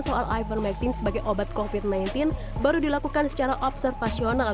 soal ivermectin sebagai obat covid sembilan belas baru dilakukan secara observasional